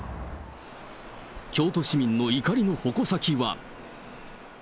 京都市民の怒りの矛先は。